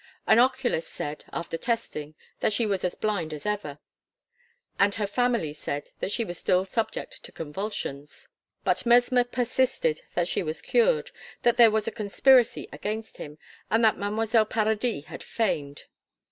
An oculist said, after testing, that she was as blind as ever, and her family said that she was still subject to convulsions. But Mesmer persisted that she was cured, that there was a conspiracy against him, and that Mademoiselle Paradis had feigned.